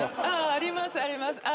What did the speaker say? あります、あります。